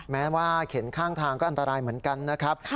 แม้ว่าเข็นข้างทางก็อันตรายเหมือนกันนะครับ